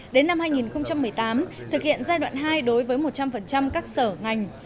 đến năm hai nghìn một mươi tám thực hiện giai đoạn hai đối với một trăm linh các sở ngành